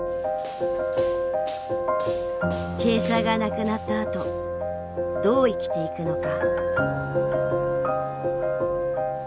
チェーサーがなくなったあとどう生きていくのか。